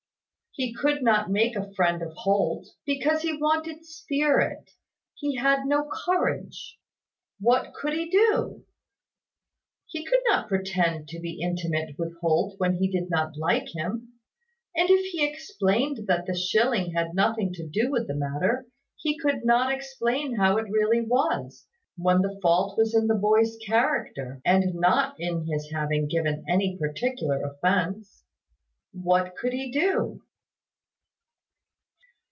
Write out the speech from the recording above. He could not make a friend of Holt, because he wanted spirit he had no courage. What could he do? He could not pretend to be intimate with Holt when he did not like him; and if he explained that the shilling had nothing to do with the matter, he could not explain how it really was, when the fault was in the boy's character, and not in his having given any particular offence. What could he do?